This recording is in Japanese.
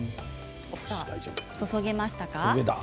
注げましたか。